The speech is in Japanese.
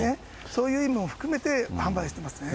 そういう意味も含めて販売してますね。